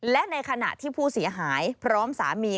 และในขณะที่ผู้เสียหายพร้อมสามี